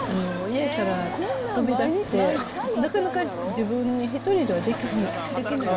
家から飛び出して、なかなか自分一人ではできない。